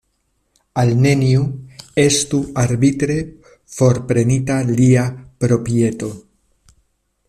Al neniu estu arbitre forprenita lia proprieto.